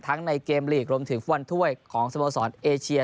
ทั้งในเกมลีกรวมถึงฝั่นถ้วยของสมสรรค์เอเชีย